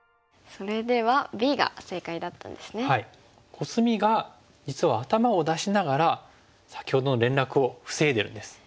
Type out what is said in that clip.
コスミが実は頭を出しながら先ほどの連絡を防いでるんです。